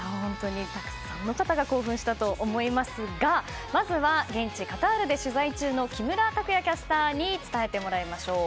たくさんの方が興奮したと思いますがまずは現地カタールで取材中の木村拓也キャスターに伝えてもらいましょう。